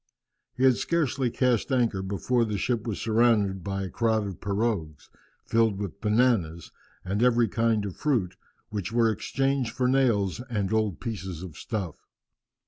He had scarcely cast anchor before the ship was surrounded by a crowd of pirogues, filled with bananas and every kind of fruit, which were exchanged for nails and old pieces of stuff.